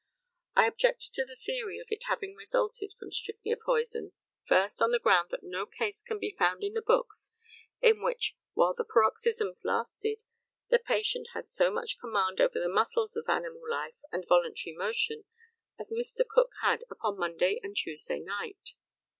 I object to the theory of it having resulted from strychnia poison first, on the ground that no case can be found in the books, in which, while the paroxysms lasted, the patient had so much command over the muscles of animal life and voluntary motion as Mr. Cook had upon Monday and Tuesday night.